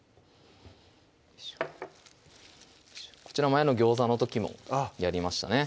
こちら前のギョーザの時もやりましたね